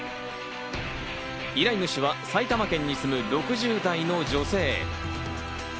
依頼主は埼玉県に住む６０代の女性。